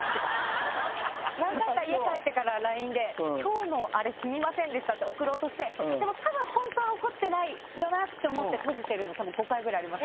何回か家帰ってからＬＩＮＥで「今日のあれすみませんでした」って送ろうとしてでもたぶん本当は怒ってないよなって思って閉じてるのたぶん５回ぐらいあります。